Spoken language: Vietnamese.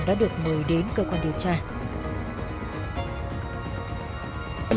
đã được mời đến cơ quan điều tra